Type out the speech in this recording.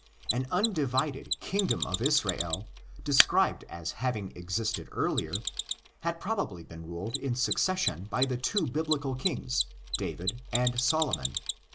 An undivided '' kingdom of Israel," described as having existed earlier, had probably been ruled in succession by the two Biblical kings, David and Solomon.